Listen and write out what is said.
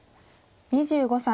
２５歳。